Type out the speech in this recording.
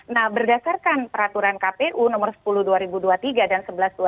nah berdasarkan peraturan kpu nomor sepuluh dua ribu dua puluh tiga dan sebelas dua ribu dua puluh